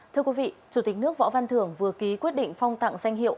thưa quý vị chủ tịch nước võ văn thưởng vừa ký quyết định phong tặng danh hiệu